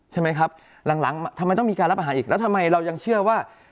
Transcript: ใช่ไหมครับหลังทำไมต้องมีการรับอาหารอีกแล้วทำไมเรายังเชื่อว่า